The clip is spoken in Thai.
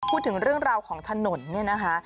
พูดถึงเรื่องราวของถนนเนี่ยนะคะ